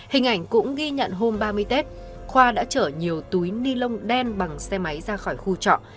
hình ảnh cũng ghi nhận hôm ba mươi tết khoa đã chở nhiều túi ni lông đen bằng xe máy ra khỏi khu trọ